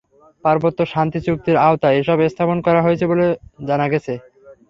পার্বত্য শান্তি চুক্তির আওতায় এসব স্থাপন করা হচ্ছে বলে জানা গেছে।